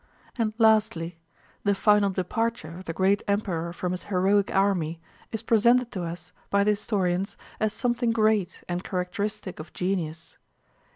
And lastly, the final departure of the great Emperor from his heroic army is presented to us by the historians as something great and characteristic of genius.